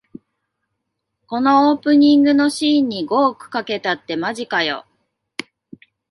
このオープニングのシーンに五億かけたってマジかよ